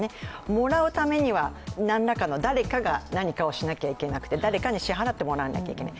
もらうためには何らかの、誰かが何かをしなきゃいけなくて誰かに支払ってもらわなきゃいけない。